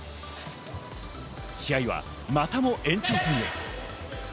試合は、またも延長戦へ。